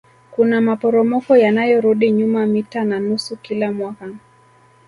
Kuna maporomoko yanayorudi nyuma mita na nusu kila mwaka